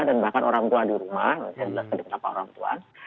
dan bahkan orang tua di rumah dan juga kenapa orang tua